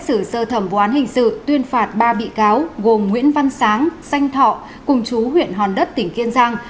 xử sơ thẩm vụ án hình sự tuyên phạt ba bị cáo gồm nguyễn văn sáng xanh thọ cùng chú huyện hòn đất tỉnh kiên giang